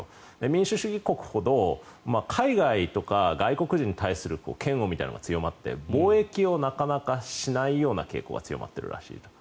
民主主義国ほど海外とか外国人に対する嫌悪みたいなものが強まって貿易をなかなかしないような傾向が強まっているらしいと。